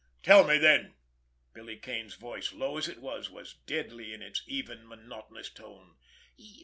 "Tell me, then!" Billy Kane's voice, low as it was, was deadly in its even, monotonous tone.